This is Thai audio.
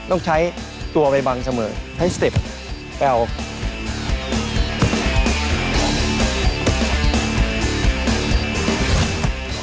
ต้องใช้ตัวไปบังเสมอใช้สเต็ปแอล